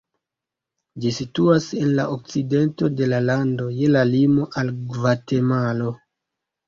Ĝi situas en la okcidento de la lando, je la limo al Gvatemalo.